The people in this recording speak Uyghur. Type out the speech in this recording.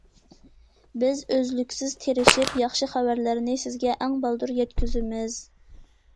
بىز ئۈزلۈكسىز تىرىشىپ، ياخشى خەۋەرلەرنى سىزگە ئەڭ بالدۇر يەتكۈزىمىز!